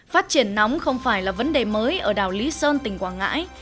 phát triển nóng không phải là vấn đề mới ở đảo lý sơn tỉnh quảng ngãi